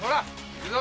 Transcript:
行くぞ。